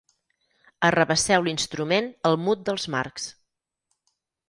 Arrabasseu l'instrument al mut dels Marx.